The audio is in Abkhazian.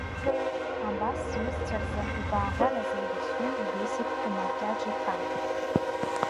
Абас зҩызцәа рзы ибаагәараз еибашьҩын Бесик Омаркьаҿ-иԥа.